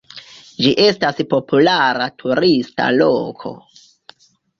Ĝi estas populara turista loko.